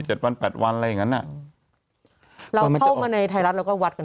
เจ็ดวันแปดวันอะไรอย่างนั้นอ่าอืมเราเท่ามาในทัยรัฐเราก็วัดกัน